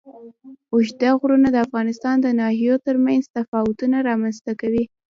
اوږده غرونه د افغانستان د ناحیو ترمنځ تفاوتونه رامنځ ته کوي.